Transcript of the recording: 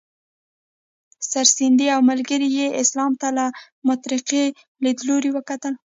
سرسید او ملګرو یې اسلام ته له مترقي لیدلوري وکتل.